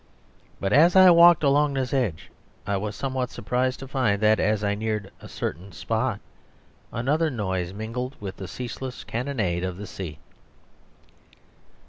But as I walked along this edge I was somewhat surprised to find that as I neared a certain spot another noise mingled with the ceaseless cannonade of the sea.